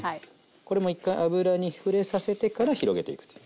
これも一回油に触れさせてから広げていくという。